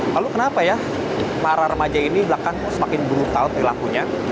lalu kenapa ya para remaja ini belakang semakin brutal perilakunya